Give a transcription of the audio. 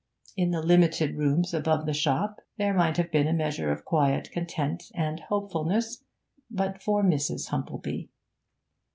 In the limited rooms above the shop there might have been a measure of quiet content and hopefulness, but for Mrs. Humplebee.